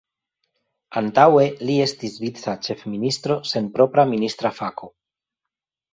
Antaŭe li estis vica ĉefministro sen propra ministra fako.